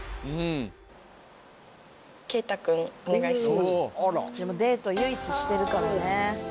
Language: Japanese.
まずはでも今はデート唯一してるからね。